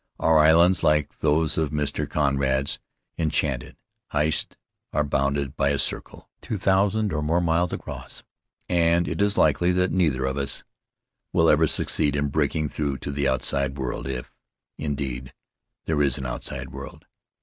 Our islands, like those of Mr. Conrad's en chanted Heyst, are bounded by a circle two thousand or more miles across, and it is likely that neither of us Faery Lands of the South Seas will ever succeed in breaking through to the outside world — if, indeed, there is an outside world.